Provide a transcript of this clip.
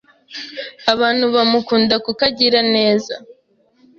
Abantu bamukunda kuko agira neza.